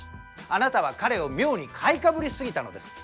あなたは彼を妙に買いかぶりすぎたのです。